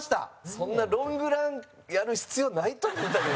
そんな、ロングランやる必要ないと思うんだけど。